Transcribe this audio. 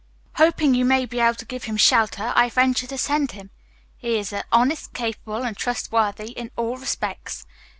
Hoping you may be able to give him shelter, I venture to send him. He is honest, capable, and trustworthy in all respects.